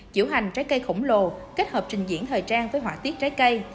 diễu hành trái cây khổng lồ kết hợp trình diễn thời trang với họa tiết trái cây